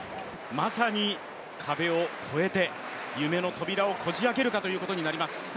まさに壁を超えて夢の扉をこじあけるかということになります。